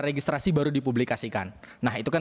registrasi baru dipublikasikan nah itu kan